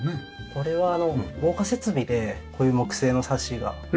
これは防火設備でこういう木製のサッシがあってですね